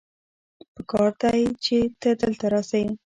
پکار دی چې ته دلته راسې